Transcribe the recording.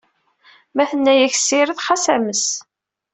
Ma tenna-ak ssired, xas ames.